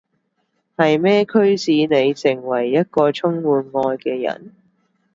係咩驅使你成為一個充滿愛嘅人？